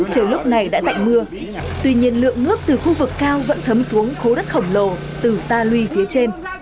chờ lúc này đã tạnh mưa tuy nhiên lượng nước từ khu vực cao vẫn thấm xuống khố đất khổng lồ từ ta lui phía trên